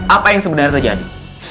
apa yang sebenarnya terjadi